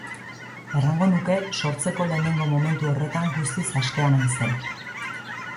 Errango nuke sortzeko lehengo momentu horretan guztiz askea naizela.